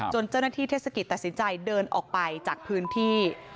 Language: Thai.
เจ้าหน้าที่เทศกิจตัดสินใจเดินออกไปจากพื้นที่